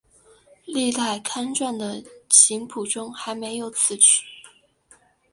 历代刊传的琴谱中还没有此曲。